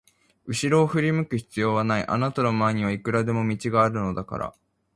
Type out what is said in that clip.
うしろを振り向く必要はない、あなたの前にはいくらでも道があるのだから。